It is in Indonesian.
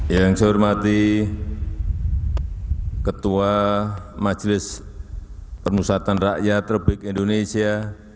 yang saya hormati ketua majelis permusatan rakyat republik indonesia